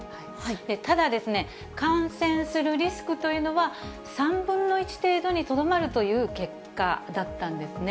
ただ、感染するリスクというのは３分の１程度にとどまるという結果だったんですね。